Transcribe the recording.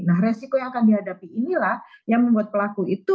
nah resiko yang akan dihadapi inilah yang membuat pelaku itu